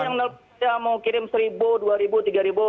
yang mau kirim seribu dua ribu tiga ribu